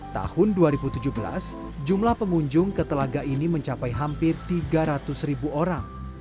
tahun dua ribu tujuh belas jumlah pengunjung ke telaga ini mencapai hampir tiga ratus ribu orang